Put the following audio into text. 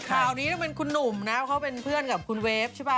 ข่าวนี้ต้องเป็นคุณหนุ่มนะเขาเป็นเพื่อนกับคุณเวฟใช่ป่